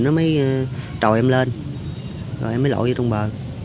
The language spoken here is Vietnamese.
nó mới trò em lên rồi em mới lộ vô trong bờ